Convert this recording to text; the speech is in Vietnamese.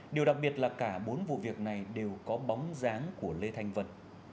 điều đặc biệt là cả bốn vụ việc này đều có bóng dáng của lê thanh vân